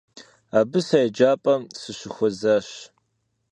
Абы сэ еджапӏэм сыщыхуэзащ.